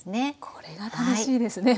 これが楽しいですね